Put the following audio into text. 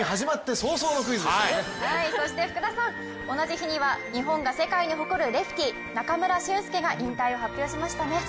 そして福田さん同じ日には日本が世界に誇る選手中村俊輔が引退を発表しましたね。